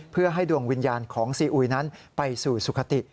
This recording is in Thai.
เพื่อให้ดวงวิญญาณของซีอุยนั้นไปสู่สุขติ